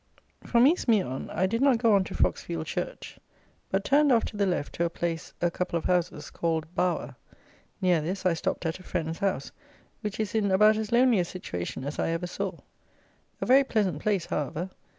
From East Meon, I did not go on to Froxfield church, but turned off to the left to a place (a couple of houses) called Bower. Near this I stopped at a friend's house, which is in about as lonely a situation as I ever saw. A very pleasant place however.